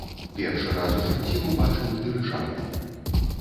Першы раз у жыцці ўбачыў дырыжабль.